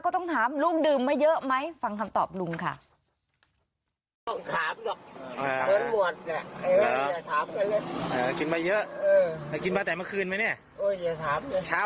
ก็ต้องถามลูกดื่มมายเยอะไหมฟังคำตอบลุงค่ะอยากกินไหมเยอะกินมาแต่เมื่อคืนไหมนะ